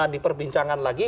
di perbincangan lagi